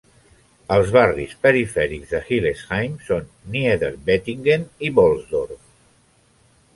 Els barris perifèrics de Hillesheim són Niederbettingen i Bolsdorf.